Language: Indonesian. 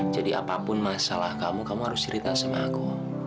jadi apapun masalah kamu kamu harus cerita sama aku